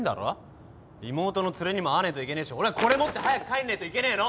妹のツレにも会わねえといけねえし俺はこれ持って早く帰んねえといけねえの！